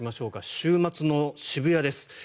週末の渋谷です。